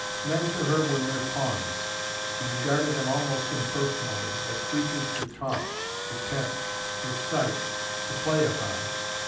Men to her were mere pawns. She regarded them almost impersonally, as creatures to taunt, to tempt, to excite, to play upon.